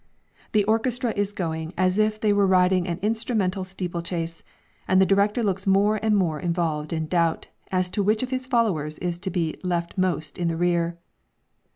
The orchestra is going as if they were riding an instrumental steeple chase, and the director looks more and more involved in doubt, as to which of his followers is to be left most in the rear.